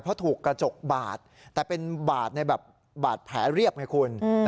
เพราะถูกกระจกบาดแต่เป็นบาดแผลเรียบไงคุณ